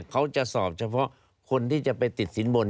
เขาจะสอบเฉพาะคนที่จะไปติดสินบน